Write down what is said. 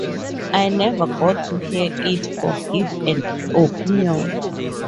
I never got to hear it or give an opinion.